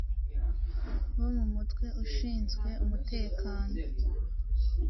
bo mu mutwe ushinzwe umutekano